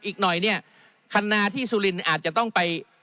อีกหน่อยเนี่ยคันนาที่สุรินทร์อาจจะต้องไป